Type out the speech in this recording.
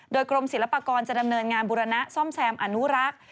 โดยกรมศิลปากรจะดำเนินงานบุรณะซ่อมแซมอนุรักษ์